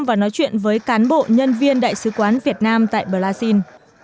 và nói chuyện với cán bộ nhân viên đại sứ quán việt nam tại brazil